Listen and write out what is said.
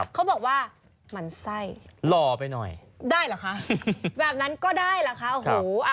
เขาบอกว่ามันไส้หล่อไปหน่อยได้เหรอคะแบบนั้นก็ได้เหรอคะโอ้โห